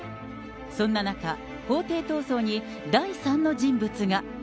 そんな中、法廷闘争に第三の人物が。